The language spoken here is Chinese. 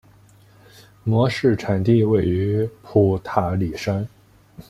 模式产地位于普塔里山。